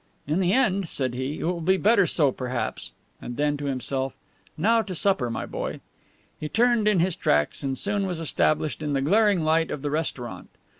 "In the end," said he, "it will be better so, perhaps," and then, to himself, "Now to supper, my boy." He turned in his tracks and soon was established in the glaring light of the restaurant.